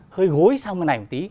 hơi gối sang bên này một tí